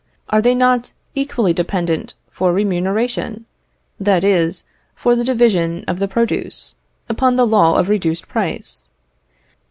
Are they not equally dependent for remuneration, that is, for the division of the produce, upon the law of reduced price?